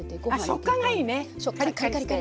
あ食感がいいね。